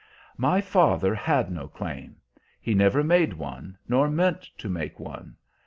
"My father had no claim. He never made one, nor meant to make one.